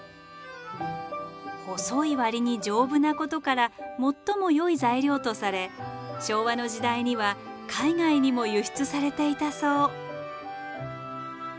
細いわりに丈夫なことから最もよい材料とされ昭和の時代には海外にも輸出されていたそう。